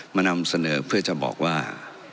นำเสนอเพื่อจะบอกว่า